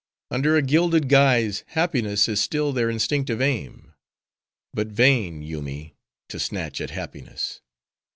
Under a gilded guise, happiness is still their instinctive aim. But vain, Yoomy, to snatch at Happiness.